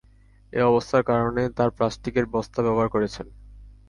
এ অবস্থার কারণে তাঁরা প্লাস্টিকের বস্তা ব্যবহার করছেন।